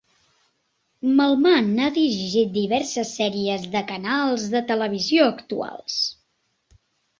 Melman ha dirigit diverses sèries de canals de televisió actuals.